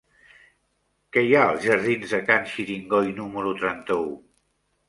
Què hi ha als jardins de Can Xiringoi número trenta-u?